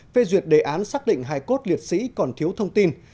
phê duyệt đề án xác định hài cốt liệt sĩ còn thiếu thông tin